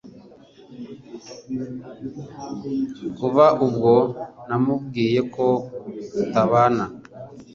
Kuva ubwo namubwiye ko tutabana